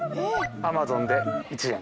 Ａｍａｚｏｎで１円。